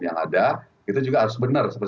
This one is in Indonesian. yang ada itu juga harus benar